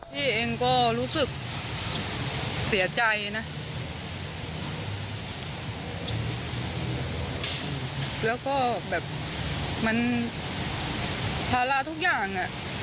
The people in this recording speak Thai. พี่เองก็รู้สึกเสียใจนะแล้วก็แบบมันภาระทุกอย่างอ่ะ